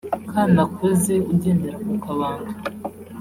Kanakuze ugendera ku kabando